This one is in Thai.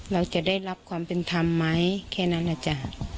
เราจะได้รับความเป็นธรรมไหมแค่นั้นนะจ๊ะ